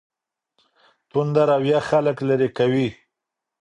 تنده رویه خلګ لیرې کوي.